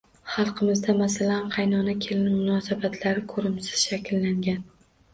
Xalqimizda, masalan, qaynona-kelin munosabatlari ko‘rimsiz shakllangan